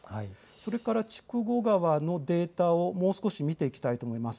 それから筑後川のデータをもう少し見ていきたいと思います。